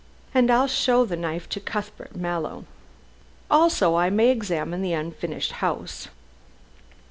"And then I'll show the knife to Cuthbert Mallow. Also I may examine the unfinished house.